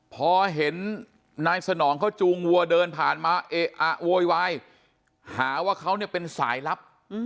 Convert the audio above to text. พอเห็นนายสนองเขาจูงวัวเดินผ่านมาเอ๊ะอะโวยวายหาว่าเขาเนี่ยเป็นสายลับ